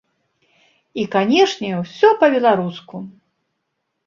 І, канешне, усё па-беларуску!